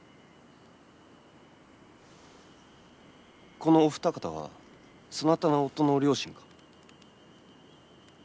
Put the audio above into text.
このお二方はそなたの夫の両親か？